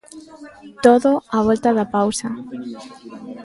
Todo á volta da pausa.